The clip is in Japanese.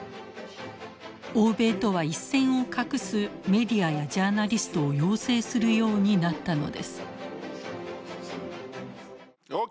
欧米とは一線を画すメディアやジャーナリストを養成するようになったのです。